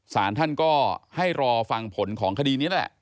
สารท่านก็ให้รอฟังผลของคดีนี้แหละ